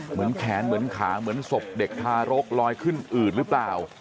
เหมือนแขนเหมือนขาเหมือนศพเด็กทารกลอยขึ้นอืดหรือเปล่า